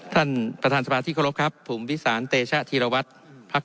ท่านประทานสถานที่โคลกครับผมวิสารเตชะธีรวัตรพลัก